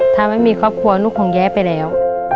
ถ้าไม่มีครอบครัวลูกคงแย้ไปแล้ว